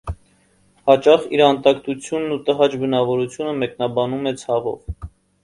Հաճախ իր անտակտությունն ու տհաճ բնավորությունը մեկնաբանում է ցավով։